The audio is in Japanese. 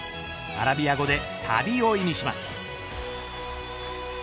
アラビア語で旅を意味します。